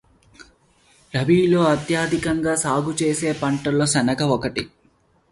రబీలో అత్యధికంగా సాగు చేసే పంటల్లో శనగ ఒక్కటి.